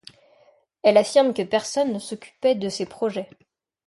Elle affirme que personne ne s'occupait de ses projets.